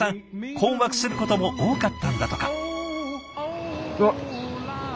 困惑することも多かったんだとか。